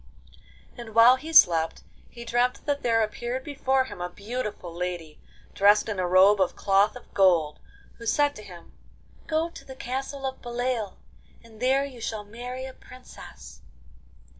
And while he slept he dreamt that there appeared before him a beautiful lady, dressed in a robe of cloth of gold, who said to him: 'Go to the castle of Beloeil, and there you shall marry a princess.